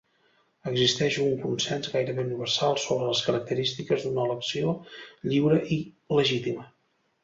Existeix un consens gairebé universal sobre les característiques d'una elecció lliure i legítima.